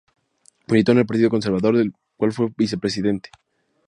Militó en el partido Conservador, del cual fue vicepresidente.